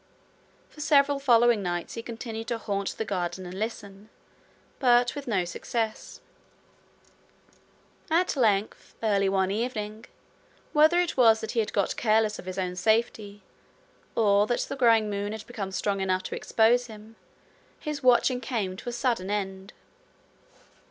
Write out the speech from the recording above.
For several following nights he continued to haunt the garden and listen, but with no success. At length, early one evening, whether it was that he had got careless of his own safety, or that the growing moon had become strong enough to expose him, his watching came to a sudden end.